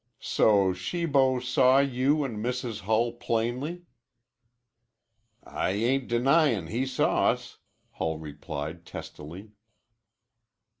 "So Shibo saw you and Mrs. Hull plainly?" "I ain't denyin' he saw us," Hull replied testily.